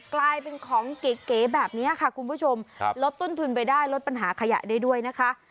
กลายเป็นของเก๋แบบนี้ค่ะคุณผู้ชมลดต้นทุนไปได้ลดปัญหาขยะได้ด้วยนะคะ